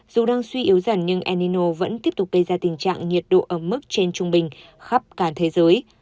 dù đang suy yếu dần nhưng el nino vẫn tiếp tục gây ra tình trạng nhiệt độ ấm mức trên trung bình khắp cả thế giới